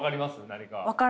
何か。